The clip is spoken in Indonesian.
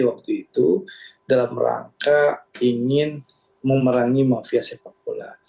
waktu itu dalam rangka ingin memerangi mafia sepak bola